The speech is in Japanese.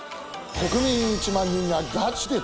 国民１万人がガチで投票！